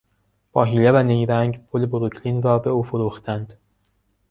با حیله و نیرنگ پل بروکلین را به او فروختند.